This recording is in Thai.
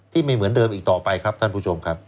ไม่เหมือนเดิมอีกต่อไปครับท่านผู้ชมครับ